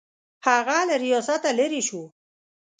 هغه له ریاسته لیرې شو.